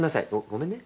ごめんね。